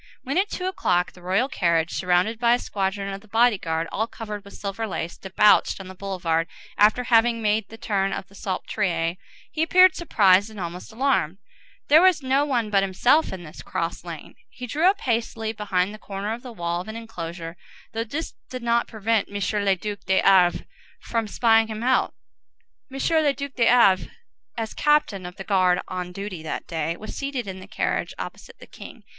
When, at two o'clock, the royal carriage, surrounded by a squadron of the body guard all covered with silver lace, debouched on the boulevard, after having made the turn of the Salpêtrière, he appeared surprised and almost alarmed. There was no one but himself in this cross lane. He drew up hastily behind the corner of the wall of an enclosure, though this did not prevent M. le Duc de Havré from spying him out. M. le Duc de Havré, as captain of the guard on duty that day, was seated in the carriage, opposite the king.